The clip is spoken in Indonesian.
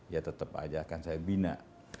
ya tetap aja akan saya bina